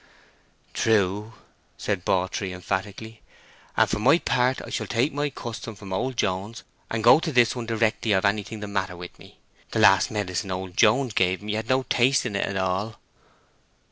"True," said Bawtree, emphatically. "And for my part I shall take my custom from old Jones and go to this one directly I've anything the matter with me. That last medicine old Jones gave me had no taste in it at all."